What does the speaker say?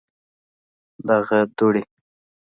دغه دوړي